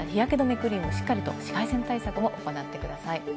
クリームをしっかりと紫外線対策を行ってください。